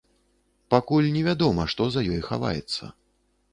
Пакуль невядома, што за ёй хаваецца.